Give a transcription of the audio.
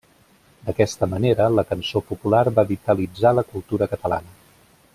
D'aquesta manera, la cançó popular va vitalitzar la cultura catalana.